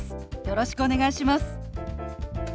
よろしくお願いします。